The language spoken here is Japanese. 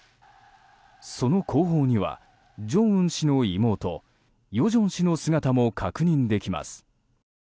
その後方には正恩氏の妹与正氏の姿も確認できます。